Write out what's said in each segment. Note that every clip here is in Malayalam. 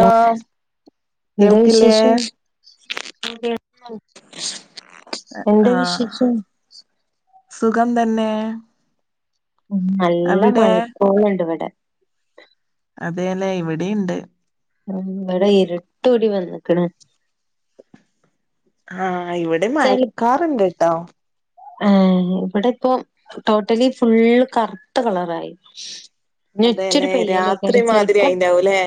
ലോ എന്താ കേൾക്കില്ലേ വിശേഷം എന്ത ആഹ് വിശേഷം.. സുഖം തന്നെ... നല്ല അവിടെ മഴക്കോളുണ്ട് ഇവിടെ.. അതേലെ ഇവിടിണ്ട്.. ആ.. ഇവിടെ ഇരുട്ടൂടി വന്നക്കണ് ആഹ്.. ഇവിടെ മയക്കാറുണ്ട് ട്ടോ.. ആ ഇവിടെ ഇപ്പൊ ടോട്ടലി ഫുള്ള് കറുത്ത കളറായി ഇഞ്ഞൊറ്റൊരു അതെല്ലേ രാത്രി പെയ്യല്ലേക്കാരം മാതിരി ചെൽപ്പോ ആയിണ്ടാവൂലേ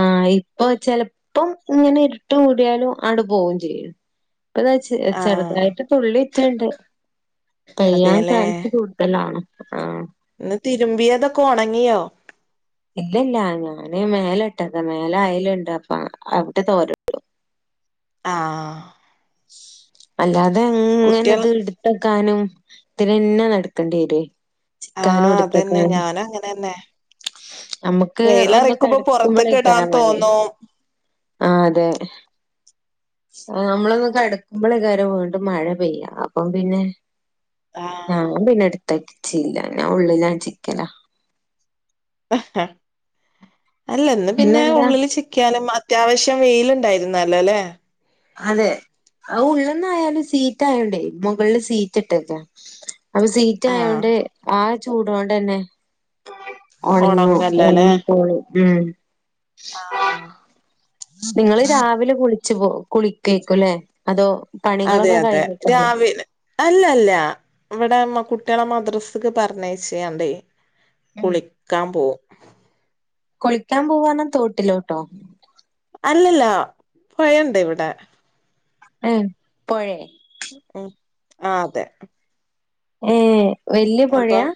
ആഹ്.. ഇപ്പൊ ചെലപ്പം ഇങ്ങനെ ഇരുട്ട് മൂടിയാലും അങ്ങട് പോവേം ചെയ്യും... ഇപ്പതാ ആഹ് ചെറുതായിട്ട് തുള്ളി ഇറ്റണ്ട് പെയ്യാൻ അതേല്ലേ ചാൻസ് കൂടുതലാണ്.. ആ.. ഇന്ന് തിരുമ്പിയതൊക്കെ ഒണങ്ങിയോ ഇല്ല ഇല്ല.. ഞാന് മേല ഇട്ടക്ക.. മേലെ അ യലുണ്ട്.. അപ്പ അവിടെ തോരട്ടു ആഹ് അല്ലാതെ കുട്ടികൾ ഇങ്ങനെത് ഇടുത്തക്കാനും ഇതിനന്നെ നടക്കേണ്ടി വരെ.. ചിക്കാനും ആഹ് അതന്നെ എടുത്തക്കാനും ഞാനും അങ്ങനെന്നെ നമ്മക്ക് ഒന്ന് വെയിലറിക്കുമ്പോ പൊറത്തൊക്കെ ഇടാൻ കടുകുമ്പലൈക്കാരം മയ വരുന്ന് തോന്നും ആ അതെ നമ്മളൊന്ന് കടക്കുമ്പോലേക്കാരം വീണ്ടും മഴ പെയ്യ അപ്പം പിന്നെ ആഹ് ഞാൻ പിന്നെ എടുത്തച്ചീല്ല ഞാൻ ഉള്ളിലാ ചിക്കല അല്ലന്ന് പിന്നെ പിന്നെന്താ ഉള്ളിൽ ചിക്കിയാലും അത്യാവശ്യം വെയിലുണ്ടായിരുന്നല്ലോ അല്ലെ അതെ ആ ഉള്ളന്നായാലും ഷീറ്റായോണ്ടേ.. മുകളില് ഷീറ്റ് ഇട്ടേക്കുവാ.. അത് ഷീറ്റ് ആഹ് ആയോണ്ട് ആ ചൂടോണ്ടന്നെ ഒണ്ങ്ങും ഒണങ്ങല്ലോല്ലേ ഒൺങ്ങിക്കോളും ഉം ആഹ് നിങ്ങള് രാവിലെ കുളിച് പോ കുളിക്കേക്കുല്ലേ അതോ അതെ പണികളൊക്കെ അതെ കഴിഞ്ഞിട്ടാണോ? രാവിലെ അല്ല അല്ല ഇവിടെ കുട്ടിളെ മദ്രസ്ക്ക് പറ്ഞ്ഞേച്ചാണ്ടേ കുളിക്കാ പോവും കുളിക്കാൻ പോവാറ്ഞ്ഞാ തോട്ടിലോട്ടോ അല്ലല്ല പൊയണ്ട്‌ ഇവടെ ഉം പൊഴേ ഉം ആ അതെ ഏ വല്യ അപ്പൊ പുഴാ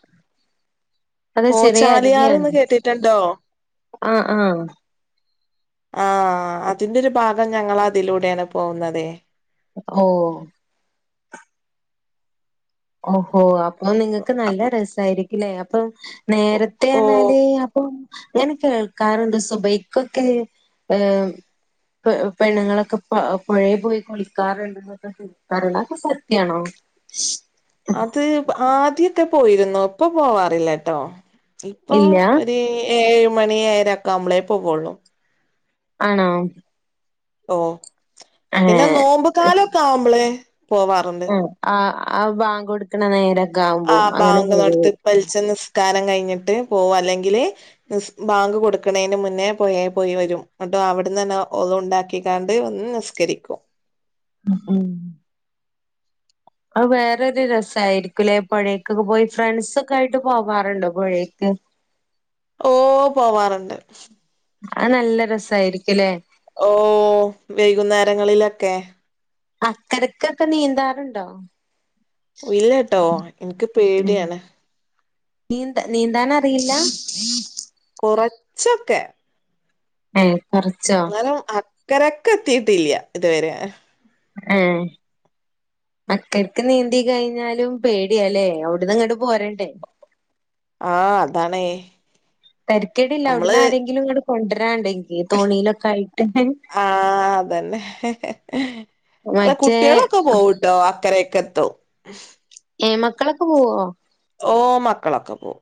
അതോ ഓ ചെറിയ ചാലിയാറ്ന്ന് അരുവിയാണോ കേട്ടിട്ടുണ്ടോ ആ ആ ആ അതിന്റെ ഒരു ഭാഗം ഞങ്ങള അതിലൂടെണ് പോകുന്നതെ ഓ ഓഹോ അപ്പൊ നിങ്ങക്ക് നല്ല അപ്പൊ രസായിരിക്കുല്ലേ അപ്പം നേരത്തെ ഓ ന്നാല് അപ്പം ഞാന് കേൾക്കാറുണ്ട് സുബഹിക്കൊക്കെ ഏ പെ പെണ്ണുങ്ങളൊക്കെ പ പൊഴേ പോയി കുളിക്കാറ്ണ്ട് ന്നൊക്കെ പറി ണേ അക്കെ സത്യാണോ ഷ് അത് ആദ്യൊക്കെ പോയിരുന്നു ഇപ്പൊ പോവാറില്ല ട്ടോ ഇപ്പൊ ഇല്ല ഒരു ഏഴ് മണി ഏഴരൊക്കെ മ്പളേ പോകുള്ളൂ ആണോ ഓ പിന്നെ നോമ്പ് ഏഹ് കാലൊക്കെ ആവുമ്പളെ ആ ആ ബാങ്ക് കൊട്ക്ക്ണ നേര ആ ബാങ്ക് നടത്ത് പൽച്ചെന്ന് നിസ്കാരം കഴിഞ്ഞിട്ട് പോവും അല്ലെങ്കില് ബാങ്ക് കൊടുക്കണേന് മുന്നെ പൊഴേ പോയി വരും അവിടന്നന്നെ ഒളൂണ്ടാക്കിക്കാണ്ട് വന്ന് നിസ്കരിക്കും ഉം ഉം അഹ് വേറൊരു രസായിരിക്കുലെ പുഴേക്കൊക്കെ പോയി ഫ്രണ്ട്സൊക്കെ ആയിട്ട് പോവാറ്ണ്ടോ പുഴേക്ക് ഓ പോവാറുണ്ട് ആത് നല്ല രസായിരിക്കലേ ഓ വൈകുന്നേരങ്ങളിലൊക്കെ അക്കരക്കൊക്കെ നീന്താറുണ്ടോ ഇല്ലട്ടോ ഇൻക്ക് ഉം പേടിയാണ് നീന്ത നീന്താനറിയില്ല കുറച്ചൊക്കെ ഉം ന്നാലും അക്കരക്കെത്തീട്ടില്ല ഇതുവരെ ഉം അക്കരക്ക് നീന്തി കഴിഞ്ഞാലും പേടിയാല്ലേ അവിട്ന്ന് ഇങ്ങട് പോരണ്ടേ ആ അതാണേ തരിക്കേടില്ല അവിടന്ന് നമ്മള് ആരെങ്കിലും ഇങ്ങട് കൊണ്ടര ആ അതന്നെ അല്ല മറ്റേ കുട്ടിളൊക്കെ പോവൂട്ടോ അക്കരേക്കെത്തും ഏ മക്കളൊക്ക പോവോ ഓ മക്കളൊക്കെ പോ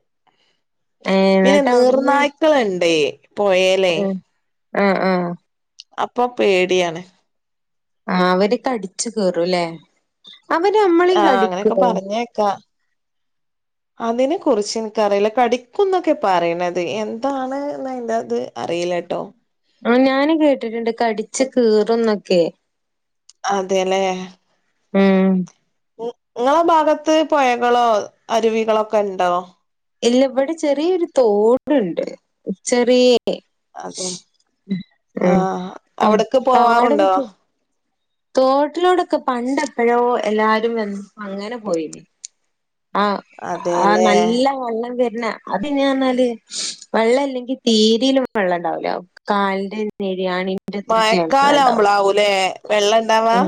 ഏ പിന്നെ എന്നിട്ട് അവിടുന്ന് നീർനായ്ക്കള് ണ്ട് പൊയേലെ അ ആ അപ്പൊ പേടിയാണ് ആ അവര് കടിച്ചു ക കീറുംല്ലേ അവര് ആഹ് അങ്ങനെയൊക്കെ അമ്മളിംകടിക്കോ? പറഞ്ഞേക്കാ അതിനെ കുറിച്ച് ഇന്ക്കറിയില്ല കടിക്കും എന്നൊക്കെ പറയിണത് എന്താണ്തിന്റെ ത് അ അറീലട്ടോ ആ ഞാന് കേട്ടിട്ട്ണ്ട് കടിച്ച് കീറുംന്നൊക്കെ അതെ ല്ലേ മ് മ് നിങ്ങളെ ഭാഗത്ത് പുഴകളോ അരുവികളൊക്കെ ണ്ടോ ഇല്ല ഇവ്ടെ ചെറിയൊരു തോട്‌ണ്ട് ചെറീ അതെ [unintelligible] ആഹ് മ് അവിടക്ക് പോവാറുണ്ടോ [unintelligible] തോട്ടിലൂടൊക്കെ പണ്ടപ്പോഴോ എല്ലാരും വന്ന് അങ്ങനെ പോയിന് ആ ആ അതെല്ലേ നല്ല വെള്ളം വര്ണ അത് ഞ്ഞി പറഞ്ഞാല് വെള്ള ലങ്കി തീരിലും വെള്ളണ്ടാവില്ല കാലിന്റെ [unintelligible] അത്രയൊക്കെ വെള്ളം ഉണ്ടാവും മയക്കാലാവുമ്പളാവും ലേ വെള്ള ണ്ടാവാ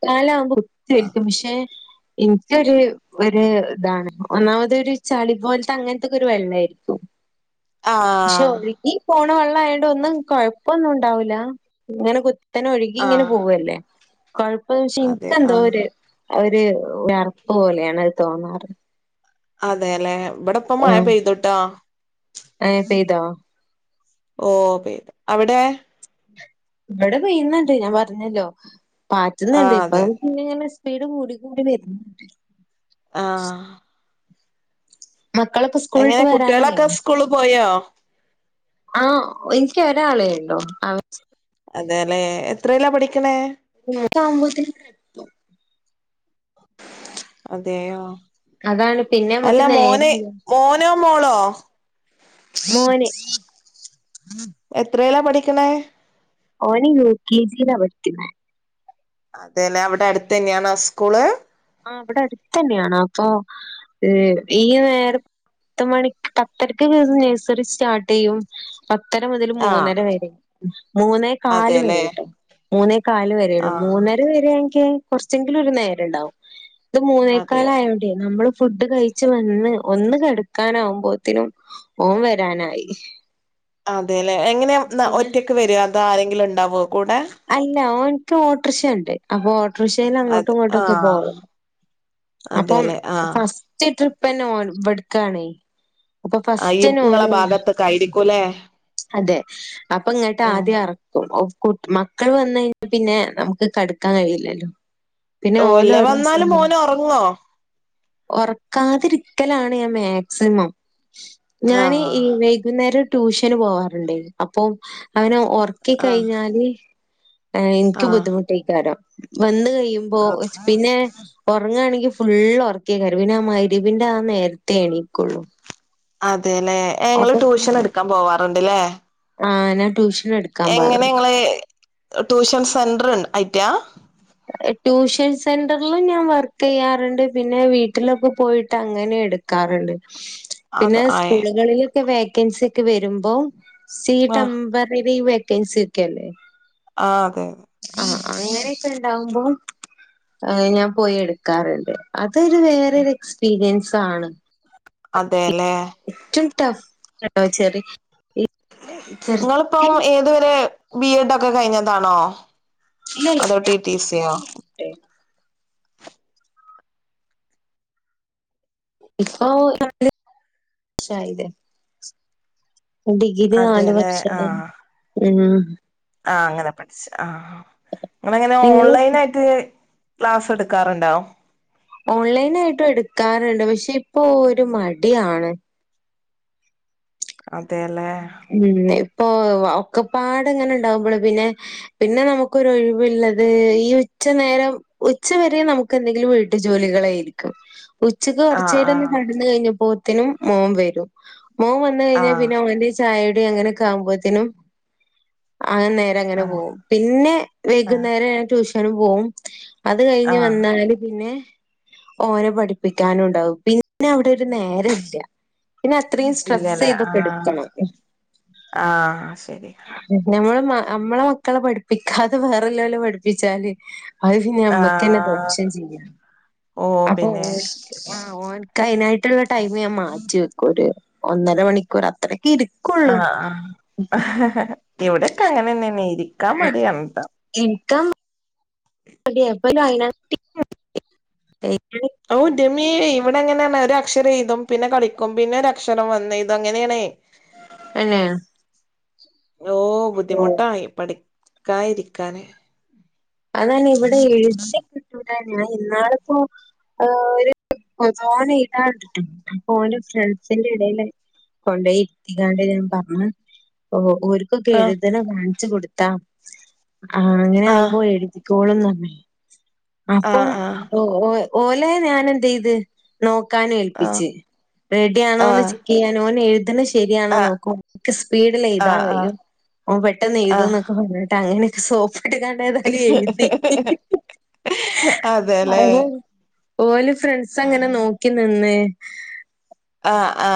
മഴക്കാലാകുമ്പോത്തി [unintelligible] പക്ഷെ ഇൻക്കൊരു രു താണ് ഒന്നാമതൊരു ചളി പോല്ത്തെ അങ്ങനത്തക്കെ ഒരു വെള്ളയിരിക്കും പക്ഷോ ആഹ് ഒഴുകി പോണ വെള്ളയോണ്ട് ഒന്നും കൊഴപ്പൊന്നും ണ്ടാവില്ല ങ്ങനെ കുത്തി ഒഴുകി ങ്ങനെ ആഹ് പോവല്ലേ കൊഴപ്പം വെച്ച അതെ ആഹ് ഇനക്ക്ന്തോരു ഒരു ഒരറപ്പ് പോലെയാണ് അത് തോന്നാറ് അതെ ല്ലെ ഇവിടെപ്പ മഴ ഉം പെയ്തൂട്ടോ ഏഹ് പെയ്തോ ഓ പെയ്തു അവിടെ ഇവിടെ പെയ്യുന്ന്ണ്ട് ഞാൻ പറഞ്ഞല്ലോ പാറ്റുന്ന്ണ്ട് ആഹ് അതെ പ്പങ്ങനെ സ്പീഡ് കൂടി കൂടി വര്ന്ന്ണ്ട് ആ മക്കളിപ്പോ സ്കൂളിട്ട് വരാനായോ കുട്ടികളൊക്കെ സ്കൂള് പോയോ ആ എനിക്ക് ഒരാളേളളു അതെ ല്ലെ എത്രലാ പഠിക്കണെ [unintelligible] മ്പോത്തി അതെയോ അതാണ് പിന്നെ അല്ല നമുക്ക് മോനെ നേരല്ല മോനോ മോളോ മോന് എത്രേ പഠിക്ക്ണേ ഓന് യുക്കെജിലാ പഠിക്ക്ന്ന അതെലെ അവിടെ അട്‌ത്ത തന്നെയാണോ സ്കൂള് ആ വ്ടെ അടുത്തന്നെയാണ് അപ്പൊ ഈ നേർ പത്ത് മണി പത്തരക്ക് ഒക്കെ നഴ്സറി സ്റ്റാർട്ട് ചെയ്യും പത്തര മുതൽ ആഹ് മൂന്നര വരെ മൂന്നേക്കാല് അതെല്ലേ വരെട്ടോ മൂന്നേ കാല് വരേയുള്ളൂ ആഹ് മൂന്നര വരെണെങ്കക്ക് കുറച്ചെങ്കിലും ഒരു നേരണ്ടാവും ഇത് അതെ മൂന്നേക്കാലയോണ്ടേ നമ്മള് ഫുഡ് കഴിച്ച് വന്ന് ഒന്ന് കടുക്കാനാവുമ്പോത്തിനും ഓൻ വര് രാനായി അതെല്ലെ എങ്ങനെ ഒറ്റക്ക് വരോ അതോ ആരെങ്കിലുണ്ടാവോ അല്ല ഓൻക്ക് ഓട്ടറക്ഷണ്ട് അപ്പൊ ഓട്ടോറിഷേ അങ്ങോട്ടും അത് ഇങ്ങോട്ടുക്കെ ആഹ് പോകല് അപ്പം അതെല്ലെ ആഹ് ഫസ്റ്റ് ട്രിപ്പ് പ്പെന്നെ ഓൻ ഇവട്ക്കാണെ അപ്പൊ ഈ ഫസ്റ്റ്ന്നെ ഇങ്ങളെ ഓനു ഭാഗത്തൊക്കെ ആയിരിക്കുംല്ലേ അതെ അപ്പൊ ങ്ങട്ട് ആഹ് ആദ്യം എറ്ക്കും മക്കൾ വന്ന് കഴിഞ്ഞാൽ പിന്നെ നമ്മക്ക് കട്‌ക്കാൻ കഴുല്ലല്ലോ പിന്നെ ഓഹ് ഓലെ ഇല്ല വന്നാലും മോന് [unintelligible] ഒറങ്ങോ ഉറക്കാതിരിക്കലാണ് ഞാൻ മാക്സിമം ഞാൻ ആഹ് ഈ വൈകുന്നേരം ട്യൂഷന് പോവാറുണ്ടേ അപ്പൊ അവനാ ഉറക്കി ആഹ് കയിഞ്ഞാല് എനിക്ക് ആഹ് ബുദ്ധിമുട്ടായികാരം വന്ന് കഴിയുമ്പോ അത് പിന്നെ ഉറങ്ങാണെകിൽ ഫുള്ള് ഒറക്ക്യേകാരും പിന്നാ ആഹ് മഗ്‌രിബിന്റെ ആ നേരത്തെ എണീക്കുള്ളു അതെല്ലേ ഏഹ് ഇങ്ങള് ട്യൂഷൻ എടുക്കാൻ പോവാറുണ്ട്ല്ലേ ആഹ് ഞാൻ ട്യൂഷ് എങ്ങനെ ഇങ്ങള് ട്യൂഷൻ സെന്റ്റ് ഐറ്റാ ട്യൂഷൻ സെന്ററിലും ഞാൻ വർക്കേയ്യാറുണ്ട് പിന്നെ വീട്ടിലൊക്കെ പോയിട്ട് അങ്ങനെ എടുക്കാറുണ്ട് അത് പിന്നെ ആഹ് സ്കൂളുകളിലൊക്കെ വേക്കൻസി ഒക്കെ വരുമ്പോ സീ ആഹ് ടെമ്പറാറി വേക്കൻസി ഒക്കെല്ലേ ആഹ് അതെ അതെ ആഹ് അങ്ങനെയൊക്കെ ഉണ്ടാവുമ്പോ ഞാൻ പോയി എടുക്കാറുണ്ട് തൊരു വേറൊരു എക്സ്പീരിയൻസ് ആണ് അതെല്ലേ ഏറ്റവും ടഫ് ചെറി ഇങ്ങളിപ്പം ഏത് വരെ ബി എഡോക്കെ കഴിഞ്ഞതാണോ അതോ ടി ടി സിയോ ഇപ്പോ [unintelligible] ശയില്ലേ ഡിഗ്രി നാല് അതെല്ലേ വർഷംണ്ടായിനി ആഹ് ഉം ആഹ് അങ്ങനെ പഠിച്ച ആഹ് ആഹ് ഇങ്ങളെങ്ങനെ നിങ്ങള് ഓൺലൈൻ ആയിട്ട് ക്ലാസ് എടുക്കാറുണ്ടോ ഓൺലൈൻ ആയിട്ടും എടുക്കാറുണ്ട് പക്ഷെ ഇപ്പൊ ഒരു മടിയാണ് അതെല്ലേ ഉം ഇപ്പൊ വ ഒക്കപ്പാട്ങ്ങനെ ഉണ്ടാവുമ്പോള് പിന്നെ പിന്നെ നമുക്കൊരു ഒഴിവ്ള്ളത് ഈ ഉച്ച നേരം ഉച്ച വരെ നമുക്ക് എന്തെങ്കിലും വീട്ടു ജോലികളായിരിക്കും ഉച്ചക്ക് ആഹ് കൊറച്ചേരം ഒന്ന് ആഹ് കെടന്ന് കഴിഞ്ഞപ്പോത്തിനും മോൻ വരും മോൻ വന്ന് കഴിഞ്ഞാ ആഹ് പിന്നെ അവന്റെ ചായയുടെയും അങ്ങനൊക്ക ആവുമ്പോത്തേനും ആഹ് നേരം അങ്ങനെ ആഹ് പോകും പിന്നെ ആഹ് വൈകുന്നേരം ഞാൻ ട്യൂഷനും പോവും അത് കഴിഞ്ഞ് ആഹ് വന്നാല് പിന്നെ ഓനെ പഠിപ്പിക്കാനും ഉണ്ടാവും പിന്നെ അവിടെ ഒരു നേരം ഇല്ല പിന്നെ അത്രയും സ്ട്രെസ്സ് ഇല്ലല്ലേ ഇതൊക്കെ ആഹ് എടുക്കണം ആഹ് ശെരി മ്മളുമ്മാ മ്മളെ മക്കളെ പഠിപ്പിക്കാതെ വേറെല്ലോലെ പഠിപ്പിച്ചാല് അത് പിന്നെ മ്മക്കന്നെ ആഹ് ദോഷം ചെയ്യാം ഓ അപ്പൊ ഓ പിന്നെ ശരി ആഹ് ഓന്ക്കായിനായിട്ടുള്ള ടൈമ് ഞാൻ മാറ്റി വെക്കും ഒര് ഒന്നര മണിക്കൂർ അത്രേം ആഹ് ആഹ് ഇവിടൊക്കെ അങ്ങനെന്നെന്നെ ഇരിക്കാ മടിയാണ്‌ട്ടാ ഇരിക്കാൻ [unintelligible] ഓ ഇന്റമ്മേ ഇവിടെ അങ്ങനെന്നെ ഒരു അക്ഷരം എയ്തും പിന്നെ കളിക്കും പിന്നെ ഒര് അക്ഷരം വന്ന് എയ്തും അങ്ങനെയാണെ തന്നെ ഓഹ് ഓ ബുദ്ധിമുട്ടായി പഠിക്കാ ഇരിക്കാന് അതാണ് ഇവിടെ എഴുതി [unintelligible] ഇന്നാളിപ്പോ ഓര് ഓൻ എയ്താണ്ടിട്ടും അപ്പൊ ഓന്റെ ഫ്രണ്ട്സിന്റെ ഇടേല് കൊണ്ടോയിരുത്തിക്കാണ്ട് ഞാൻ പറഞ്ഞു ഓ ഓർക്കൊക്കെ ആഹ് എഴുതണം കാണിച്ചു കൊടുത്താം ആഹ് അങ്ങനെ ആഹ് ആവുമ്പോ ക്കോളിന്നാമ്മേ ആഹ് ഇപ്പം ഓ ഓ ഓലെ ഞാൻ എന്തേയ്ത് നോ ക്കാന് ആഹ് ഏൽപ്പിച്ച്. റെഡിയാണോന്ന് ആഹ് ചെക്കെയ്യാന് ഓൻ എഴ്തണ ശ ശരിയാണോ ആഹ് നോക്കും ഇക്ക് സ്പീഡിൽ എഴുതാൻ ആഹ് കഴിയും. ആഹ് അവൻ പെട്ടെന്ന് ആഹ് ആഹ് എഴുതുംന്നാക്കാ പറഞ്ഞിട്ട് അങ്ങനെ സോപ്പിട്ട് കണ്ട് ഏതാലും എഴുതി. അതെല്ലേ അതെന്നേണ് ഓല് ഫ്രണ്ട്സ് അങ്ങനെ ആഹ് നോക്കിനി ന്ന് ആ ആ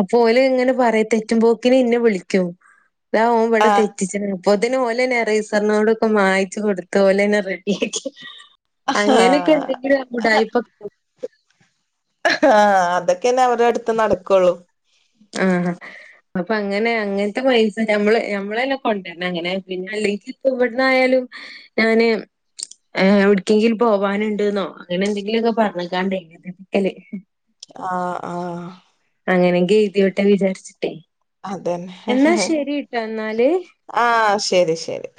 അപ്പോല് ഇങ്ങനെ പറയും തെറ്റുമ്പോക്കിന് ഇന്നെ വിളിക്കും. താ ഓം ഇവിടെ ആഹ് തെറ്റിച്ച്ണ്ന്ന് പ്പോതിന് ഓലെന്നെ എറെയ്സർറിനോടൊക്കെ മായിച്ച് കൊടുത്ത് ഓലെന്നെ റെഡിയാക്കി. ആഹ് അങ്ങനൊക്കെ എന്തെങ്കിലും ഉടായിപ്പൊ ആ അതൊക്കന്നെ അവര്ടെടുത്ത് നടക്കുള്ളൂ. ആഹ് അപ്പൊ അങ്ങനെ അങ്ങൻത്തെ പൈസ ഞമ്മള് ഞമ്മളെന്നെ കൊണ്ടരന്നങ്ങനെ പിന്നെ അല്ലെങ്കി ഇപ്പ ഇവിടന്നായാലും ഞാന് എവ്ട്ക്കെങ്കിലും പോവാനുണ്ട്ന്നോ അങ്ങനെ എന്തെങ്കിലുമൊക്കെ പറഞ്ഞ്ക്കാണ്ടെയ് [unintelligible] ആ ആ അങ്ങനെ ഗതിയോട്ടെ വിചാരിച്ച്ട്ടേ. അതന്നെ എന്നാല് ആ ശരി ശരി